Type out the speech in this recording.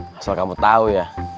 masalah kamu tau ya